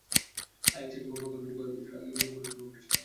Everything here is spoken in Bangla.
আয়াক্সের যুব প্রকল্পের জন্য কয়েক বছর আগে বিশদ পরিকল্পনা করেছিলেন ক্রুইফ।